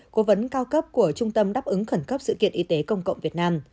cố vấn cao cấp của trung tâm đáp ứng khẩn cấp sự kiện y tế công cộng việt nam